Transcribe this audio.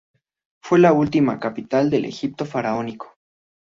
Fue la última capital del Egipto faraónico.